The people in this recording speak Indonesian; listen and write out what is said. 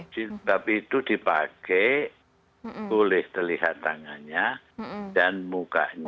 jilbab itu dipakai boleh terlihat tangannya dan mukanya